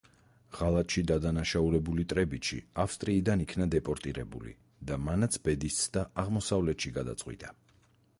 ღალატში დადანაშაულებული ტრებიჩი ავსტრიიდან იქნა დეპორტირებული და მანაც ბედის ცდა აღმოსავლეთში გადაწყვიტა.